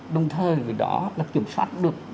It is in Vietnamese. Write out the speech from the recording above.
đồng thời vì đó là kiểm soát được